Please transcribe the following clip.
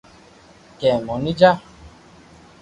ڪي موني جا